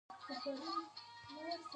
باچا ورته وویل ته او ستا نازک بدن.